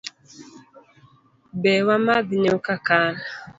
Bi wamadh nyuka kal